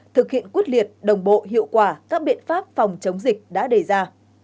thực hiện quyết liệt đồng bộ hiệu quả các biện pháp phòng chống dịch đã đề ra